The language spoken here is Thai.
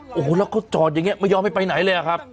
โอ้โหแล้วเขาจอดอย่างนี้ไม่ยอมให้ไปไหนเลยอะครับ